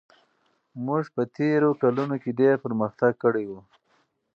موږ په تېرو کلونو کې ډېر پرمختګ کړی و.